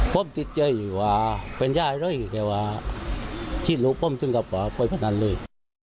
ผมติดเจ๋ยว่าเป็นย่าเลยแต่ว่าชีพรู้ผมถึงกับว่าผู้ชีพนั้นเลย